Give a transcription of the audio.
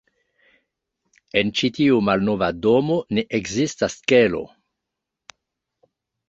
En ĉi tiu malnova domo, ne ekzistas kelo.